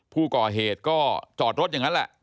ผู้ก่อเหตุก็จอดรถอย่างนั้นแหละ